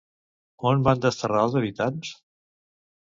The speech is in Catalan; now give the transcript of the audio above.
On van desterrar els habitants?